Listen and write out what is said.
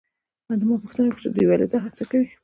ما پوښتنه وکړه چې دوی دا هڅه ولې کوي؟